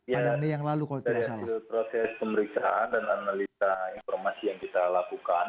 ya dari hasil proses pemeriksaan dan analisa informasi yang kita lakukan